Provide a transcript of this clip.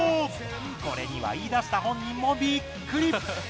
これには言いだした本人もびっくり。